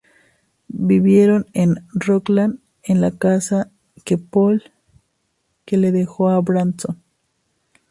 Vivieron en Rockland en la casa que Pool que le dejó a Branson.